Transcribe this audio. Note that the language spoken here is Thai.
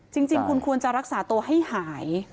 จริงคุณควรจะรักษาตัวให้หาย